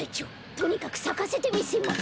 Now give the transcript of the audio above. とにかくさかせてみせます。